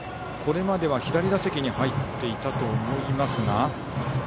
これまでは左打席に入っていたと思いますが。